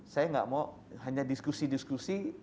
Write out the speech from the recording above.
saya nggak mau hanya diskusi diskusi